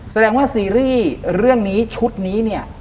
แสดงว่าซีรีส์เรื่องนี้ชุดนี้เนี่ย